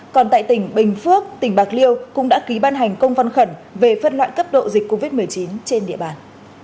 còn tại tỉnh bình phước tỉnh bạc liêu cũng đã ký ban hành công văn khẩn về phân loại cấp độ dịch covid một mươi chín trên địa bàn